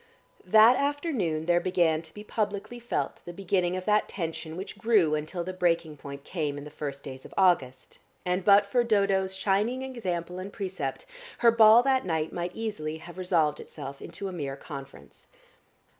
That afternoon there began to be publicly felt the beginning of that tension which grew until the breaking point came in the first days of August, and but for Dodo's shining example and precept, her ball that night might easily have resolved itself into a mere conference.